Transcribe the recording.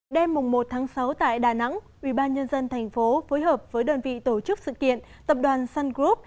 đêm một sáu tại đà nẵng ubnd tp phối hợp với đơn vị tổ chức sự kiện tập đoàn sun group